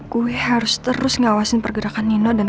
gue harus terus ngawasin pergerakan nino dan